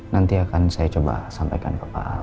nanti akan saya coba sampaikan ke pak